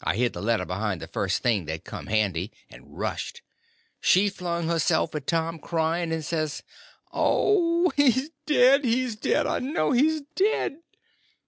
I hid the letter behind the first thing that come handy, and rushed. She flung herself at Tom, crying, and says: "Oh, he's dead, he's dead, I know he's dead!"